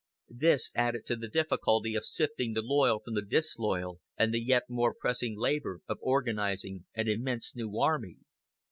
This added to the difficulty of sifting the loyal from the disloyal, and the yet more pressing labor of organizing an immense new army.